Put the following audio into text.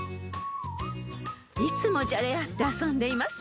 ［いつもじゃれ合って遊んでいます］